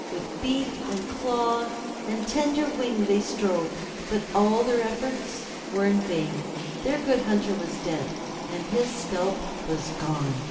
With beak and claw and tender wing they strove, but all their efforts were in vain. Their Good Hunter was dead, and his scalp was gone.